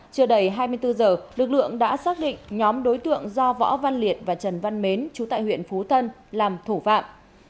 trưa đầy hai mươi bốn giờ lực lượng đã xác định nhóm đối tượng do võ văn liệt và trần văn mến trú tại huyện phú tân làm thủ phạm